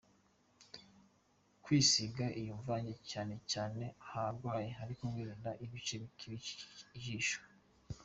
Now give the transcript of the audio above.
kwisiga iyo mvange cyane cyane aharwaye ariko wirinda ibice bikikije ijisho.